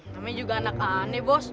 kami juga anak aneh bos